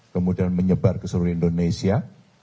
kemudian menyebar ke seluruh indonesia